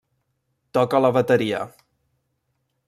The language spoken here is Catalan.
Toca la bateria.